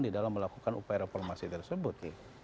di dalam melakukan upaya reformasi tersebut